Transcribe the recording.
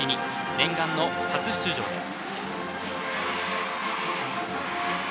念願の初出場です。